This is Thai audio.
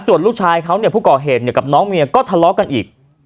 ส่วนลูกชายเขาเนี่ยผู้ก่อเหตุเนี่ยกับน้องเมียก็ทะเลาะกันอีก